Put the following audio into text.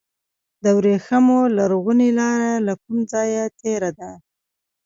د وریښمو لرغونې لاره له کوم ځای تیریده؟